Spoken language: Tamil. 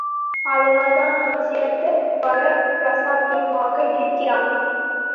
அதனால்தான் அவன் சிறந்த வரப்பிரசாதியுமாக இருக்கிறான்.